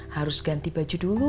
harus ganti baju dulu